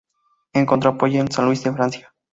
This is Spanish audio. Encontró apoyo en san Luis de Francia.